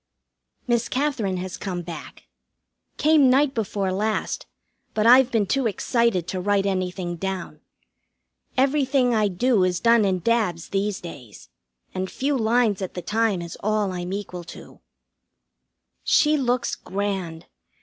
Miss Katherine has come back. Came night before last, but I've been too excited to write anything down. Everything I do is done in dabs these days, and few lines at the time is all I'm equal to. She looks grand.